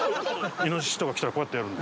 イノシシとか来たらこうやってやるんで。